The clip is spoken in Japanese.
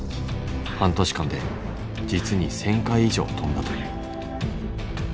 半年間で実に１，０００回以上跳んだという。